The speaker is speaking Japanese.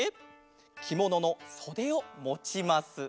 きもののそでをもちます。